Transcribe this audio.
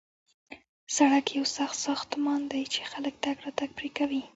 سړک یو سخت ساختمان دی چې خلک تګ راتګ پرې کوي